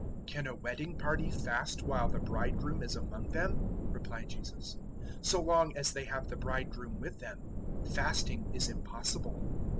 002:019 "Can a wedding party fast while the bridegroom is among them?" replied Jesus. "So long as they have the bridegroom with them, fasting is impossible.